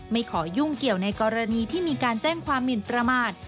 ขอยุ่งเกี่ยวในกรณีที่มีการแจ้งความหมินประมาท